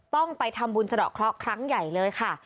ต้องไปทำบุญสะดอกเคราะห์ครั้งใหญ่เลยค่ะ